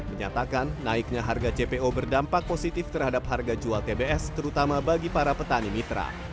menyatakan naiknya harga cpo berdampak positif terhadap harga jual tbs terutama bagi para petani mitra